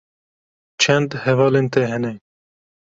Çend hevalên te hene?